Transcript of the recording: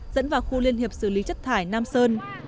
dẫn vào khu liên hiệp xử lý chất thải nam sơn